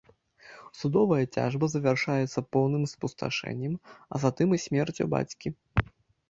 Судовая цяжба завяршаецца поўным спусташэннем, а затым і смерцю бацькі.